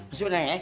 masuk mas ya